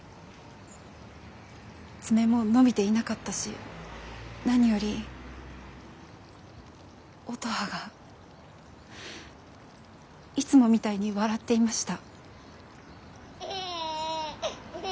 爪も伸びていなかったし何より乙葉がいつもみたいに笑っていました。